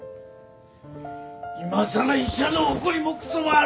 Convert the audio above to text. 今さら医者の誇りもクソもあるか！